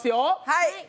はい！